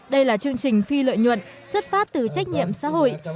đây là chương trình phi lợi nhuận xuất phát từ trách nhiệm xã hội